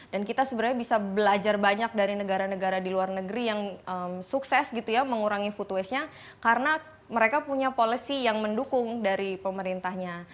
dan kita sebenarnya bisa belajar banyak dari negara negara di luar negeri yang sukses gitu ya mengurangi food waste nya karena mereka punya policy yang mendukung dari pemerintahnya